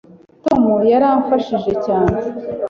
Tom yaramfashije cyane